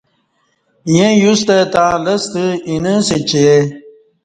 ییں یوستہ تݩع لستہ اینہ اسہ چہ